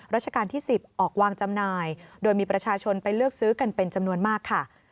ราชการที่๑๐ออกวางจำหน่ายโดยมีประชาชนไปเลือกซื้อกันเป็นจำนวนมากค่ะ